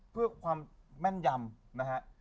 เพื่อความแม่นยำนะฮะ